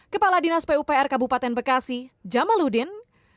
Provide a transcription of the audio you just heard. kepala dinas pupr kabupaten bekasi jamaludin